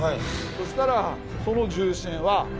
そしたらその重臣は。